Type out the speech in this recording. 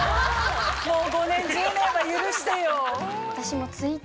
もう５年１０年は許してよ。